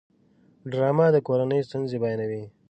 ډرامه د کورنۍ ستونزې بیانوي